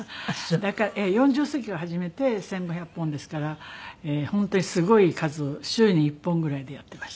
だから４０過ぎから始めて１５００本ですから本当にすごい数週に１本ぐらいでやっていました。